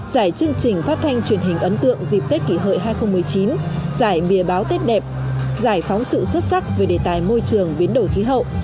giải chương trình phát thanh truyền hình ấn tượng dịp tết kỷ hợi hai nghìn một mươi chín giải bìa báo tết đẹp giải phóng sự xuất sắc về đề tài môi trường biến đổi khí hậu